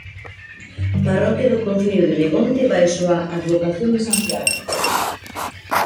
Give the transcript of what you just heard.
Parroquia do concello de Begonte baixo a advocación de Santiago.